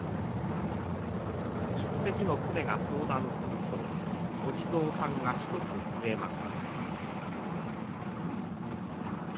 １隻の船が遭難するとお地蔵さんが１つ増えます。